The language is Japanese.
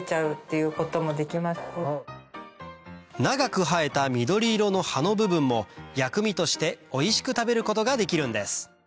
長く生えた緑色の葉の部分も薬味としておいしく食べることができるんです